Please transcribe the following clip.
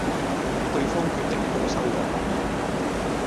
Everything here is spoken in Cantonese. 對方決定多收兩位